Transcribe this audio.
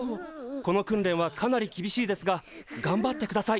この訓練はかなり厳しいですががんばってください。